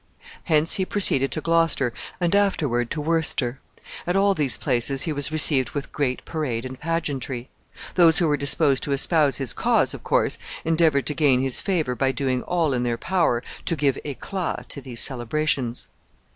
Hence he proceeded to Gloucester, and afterward to Worcester. At all these places he was received with great parade and pageantry. Those who were disposed to espouse his cause, of course, endeavored to gain his favor by doing all in their power to give éclat to these celebrations.